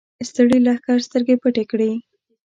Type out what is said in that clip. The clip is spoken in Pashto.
ستړي لښکر سترګې پټې کړې.